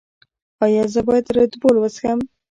ایا زه باید ردبول وڅښم؟